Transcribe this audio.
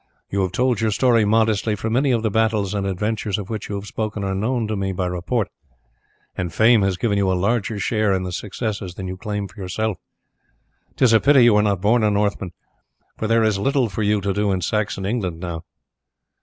You have told your story modestly, for many of the battles and adventures of which you have spoken are known to me by report, and fame has given you a larger share in the successes than you claim for yourself. 'Tis a pity you were not born a Northman, for there is little for you to do in Saxon England now."